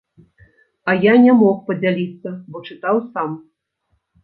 А я не мог падзяліцца, бо чытаў сам.